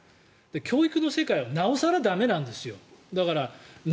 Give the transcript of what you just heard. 教育の世界はなお更、駄目なんですよ。